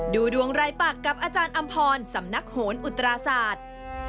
ดูดวงรายปากกับอาจารย์อำพรสำนักโหนอุตราศาสตร์